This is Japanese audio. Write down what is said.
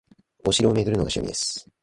お城を巡るのが趣味です